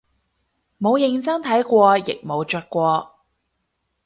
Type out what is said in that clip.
冇認真睇過亦冇着過